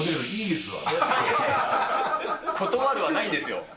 断るはないですよ。